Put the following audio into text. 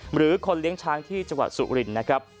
หรือคนเลี้ยงช้างที่จังหวัดสุรินนะครับ